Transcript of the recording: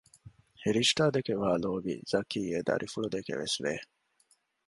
ރިޝްދާ ދެކެ ވާ ލޯބި ޒަކީ އެދަރިފުޅުދެކެވެސް ވެ